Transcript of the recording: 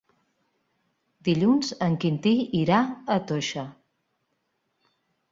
Dilluns en Quintí irà a Toixa.